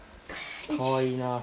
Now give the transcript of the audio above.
かわいいな。